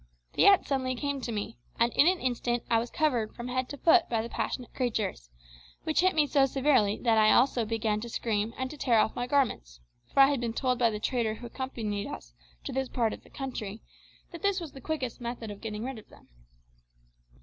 The ants suddenly came to me, and in an instant I was covered from head to foot by the passionate creatures, which hit me so severely that I also began to scream and to tear off my garments; for I had been told by the trader who accompanied us to this part of the country that this was the quickest method of getting rid of them.